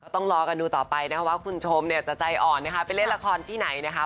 ต้องรอกันดูต่อไปนะครับว่าคุณชมจะใจอ่อนไปเล่นละครที่ไหนนะคะ